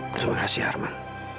terima kasih arman